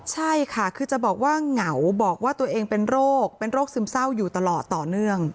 ใช่ค่ะคือจะบอกว่าเหงาบอกว่าตัวเองเป็นโรคเป็นโรคซึมเศร้าอยู่ตลอดต่อเนื่อง